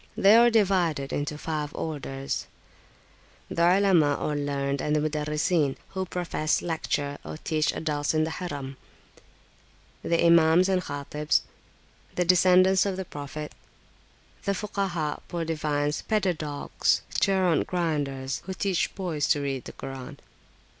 They are divided into five orders: The Olema, or learned, and the Mudarrisin, who profess, lecture, or teach adults in the Harim. The Imams and Khatibs. The descendants of the Prophet. The Fukaha, poor divines, pedadogues, gerund grinders, who teach boys to read the Koran.